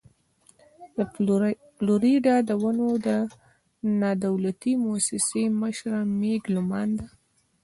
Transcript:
د فلوريډا د ونو د نادولتي مؤسسې مشره مېګ لومان ده.